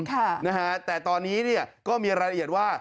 แต่ตอนนี้ก็มีราลเย็นว่า